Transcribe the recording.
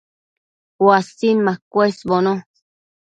uasin machëshbono